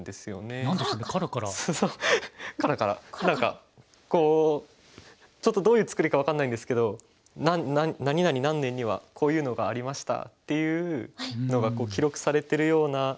何かこうちょっとどういう作りか分かんないんですけど「何々何年にはこういうのがありました」っていうのが記録されてるような。